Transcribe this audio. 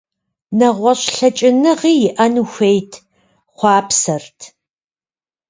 Нэгъуэщӏ лъэкӏыныгъи иӏэну хуейт, хъуапсэрт.